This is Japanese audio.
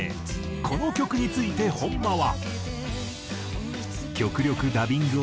この曲について本間は。